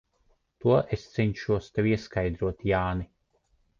To es cenšos tev ieskaidrot, Jāni.